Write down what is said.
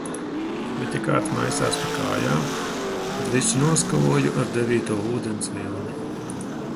Bet ja kāds maisās pa kājām, tad visu noskaloju ar devīto ūdens vilni.